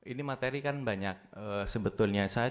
ini materi kan banyak sebetulnya